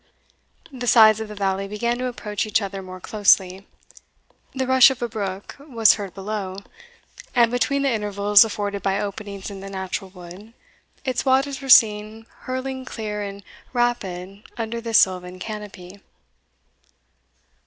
The sides of the valley began to approach each other more closely; the rush of a brook was heard below, and between the intervals afforded by openings in the natural wood, its waters were seen hurling clear and rapid under their silvan canopy.